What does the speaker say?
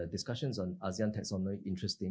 diskusi tentang taxonomy asean menarik